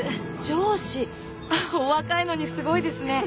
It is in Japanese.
お若いのにすごいですね。